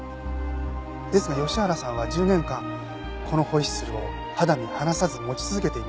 ですが吉原さんは１０年間このホイッスルを肌身離さず持ち続けていました。